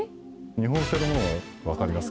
日本製のもの分かりますか？